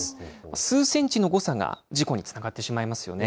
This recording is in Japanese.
数センチの誤差が事故につながってしまいますよね。